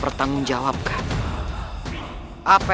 perhitungannya android abad